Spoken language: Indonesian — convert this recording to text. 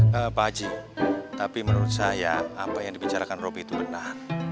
bapak haji tapi menurut saya apa yang dibicarakan roby itu benar